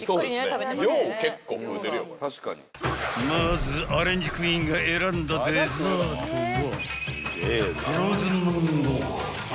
［まずアレンジクイーンが選んだデザートは］